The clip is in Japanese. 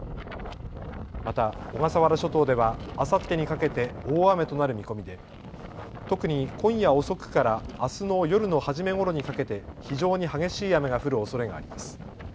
また小笠原諸島ではあさってにかけて大雨となる見込みで特に今夜遅くからあすの夜の初めごろにかけて非常に激しい雨が降るおそれがあります。